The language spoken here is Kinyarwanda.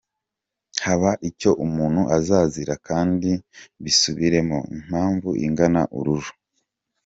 Haba icyo umuntu azazira kdi mbisubire mo, impamvu ingana ururo.